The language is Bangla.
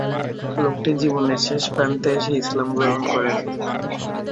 লোকটি জীবনের শেষ প্রান্তে এসে ইসলাম গ্রহণ করেন।